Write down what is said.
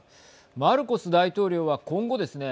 マルコス大統領は今後ですね